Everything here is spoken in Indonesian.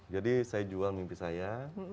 jadi saya jual mimpi saya